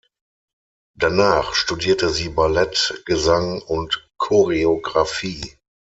Danach studierte sie Ballett, Gesang und Choreografie.